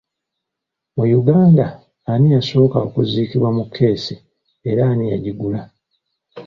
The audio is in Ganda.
Mu Uganda ani yasooka okuziikibwa mu kkeesi era ani yagigula?